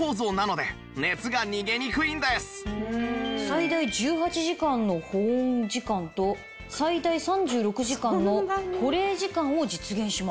最大１８時間の保温時間と最大３６時間の保冷時間を実現します。